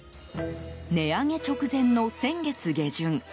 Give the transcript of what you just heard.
値上げ直前の先月下旬。